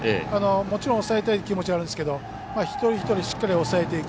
もちろん、抑えたい気持ちはあるんですけど、一人一人しっかり抑えていく。